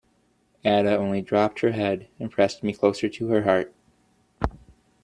Ada only dropped her head and pressed me closer to her heart.